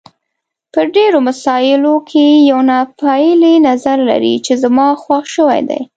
په ډېرو مسایلو کې یو ناپېیلی نظر لري چې زما خوښ شوی دی.